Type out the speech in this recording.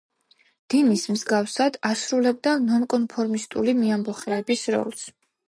დინის მსგავსად, ასრულებდა ნონკონფორმისტული მეამბოხეების როლს.